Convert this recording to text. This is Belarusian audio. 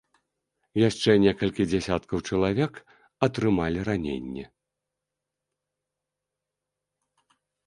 Яшчэ некалькі дзесяткаў чалавек атрымалі раненні.